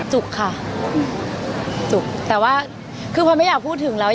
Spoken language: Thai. จุกค่ะจุกแต่ว่าคือพอไม่อยากพูดถึงแล้ว